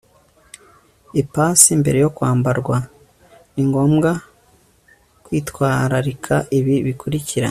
ipasi mbere yo kwambarwa. ni ngombwa kwitwararika ibi bikurikira